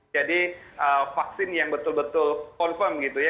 jadi vaksin yang betul betul confirm gitu ya